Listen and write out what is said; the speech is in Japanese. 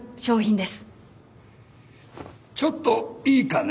ちょっといいかね？